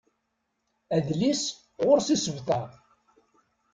Adlis ɣur-s isebtar.